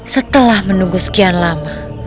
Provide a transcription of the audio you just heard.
setelah menunggu sekian lama